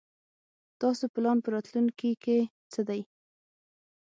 تاسو پلان په راتلوونکي کې څه دی ؟